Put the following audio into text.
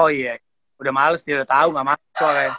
oh iya udah males dia udah tau gak masuk